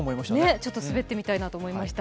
ちょっと滑ってみたいと思いました。